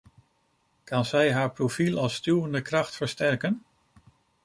Kan zij haar profiel als stuwende kracht versterken?